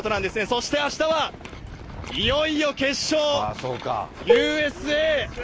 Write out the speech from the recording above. そしてあしたはいよいよ決勝、ＵＳＡ。